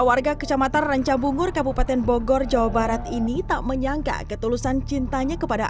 warga kecamatan ranca bungur kabupaten bogor jawa barat ini tak menyangka ketulusan cintanya kepada